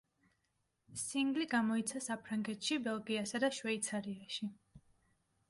სინგლი გამოიცა საფრანგეთში, ბელგიასა და შვეიცარიაში.